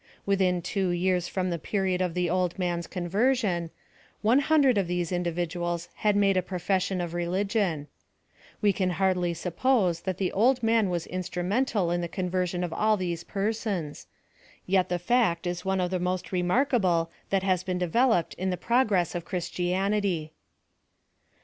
Within two years from the period of the old man s conversion, one hundred of these individuals had made a profession of religion. We can hardly'sup pose that the old man was instrumental in the con version of all these persons; yet the fact is one of the most remarkable that has been developed in the progress of Christianity.